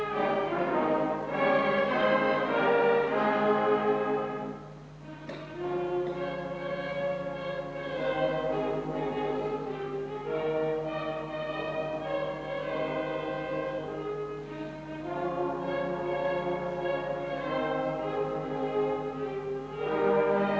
lagu kebangsaan indonesia raya